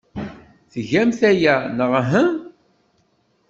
Tgamt aya, neɣ uhu?